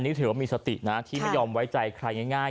นี่ถือว่ามีสตินะที่ไม่ยอมไว้ใจใครง่าย